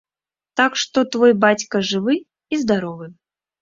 Так што твой бацька жывы і здаровы.